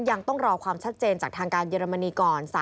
ยังต้องรอความชัดเจนจากทางการเยอรมนีก่อน